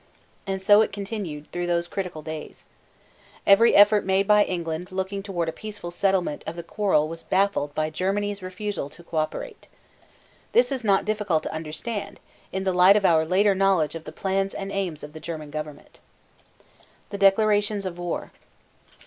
And so it continued through those critical days. Every effort made by England looking toward a peaceful settlement of the quarrel was baffled by Germany's refusal to coöperate. This is not difficult to understand in the light of our later knowledge of the plans and aims of the German government. THE DECLARATIONS OF WAR.